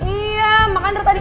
iya makanya dari tadi